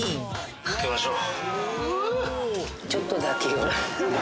かけましょう。